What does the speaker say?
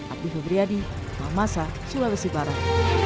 abdi febriyadi mamasa sulawesi barat